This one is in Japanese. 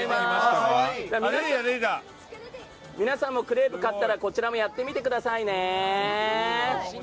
皆さんもクレープ買ったらこちらもやってみてくださいね。